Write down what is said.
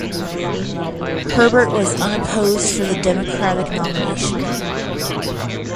Herbert was unopposed for the Democratic nomination.